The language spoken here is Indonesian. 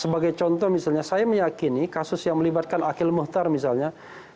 sebagai contoh misalnya saya meyakini kasus yang melibatkan akhil muhtar misalnya